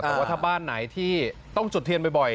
บอกว่าถ้าบ้านไหนที่ต้องจุดเทียนบ่อย